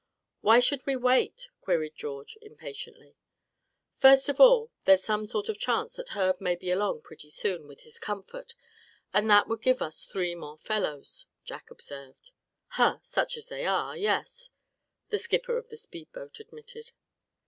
"Why should we wait?" queried George, impatiently. "First of all, there's some sort of chance that Herb may be along pretty soon, with his Comfort, and that would give us three more fellows," Jack observed. "Huh! such as they are, yes," the skipper of the speed boat admitted.